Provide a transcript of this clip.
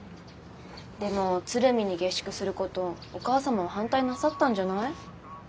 でも鶴見に下宿することお母様は反対なさったんじゃない？